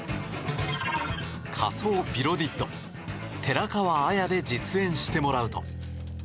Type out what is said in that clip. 仮想ビロディッド寺川綾で実演してもらうと。